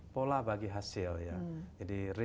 pola bagi hasil ya jadi